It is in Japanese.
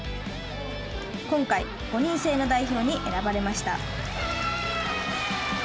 今回、５人制の代表に選ばれました。